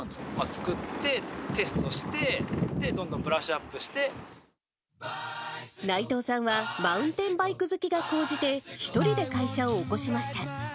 作って、テストして、内藤さんは、マウンテンバイク好きが高じて、１人で会社を興しました。